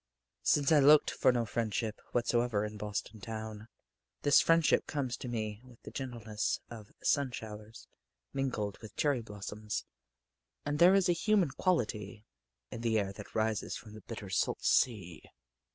Since I looked for no friendship whatsoever in Boston town, this friendship comes to me with the gentleness of sunshowers mingled with cherry blossoms, and there is a human quality in the air that rises from the bitter salt sea.